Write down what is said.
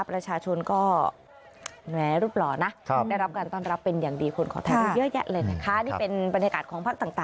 ประชาชนก็